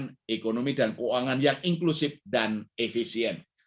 dengan ekonomi dan keuangan yang inklusif dan efisien